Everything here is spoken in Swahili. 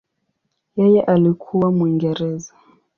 Yeye alikuwa Mwingereza.